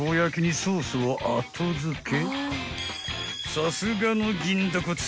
［さすがの銀だこ通］